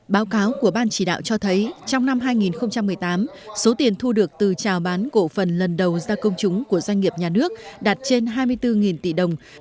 báo cáo của ban chỉ đạo cho thấy trong năm hai nghìn một mươi tám số tiền thu được từ trào bán cổ phần lần đầu ra công chúng của doanh nghiệp nhà nước đạt trên hai mươi bốn tỷ đồng